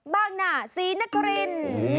บ้างหนาสีเหนือกรีน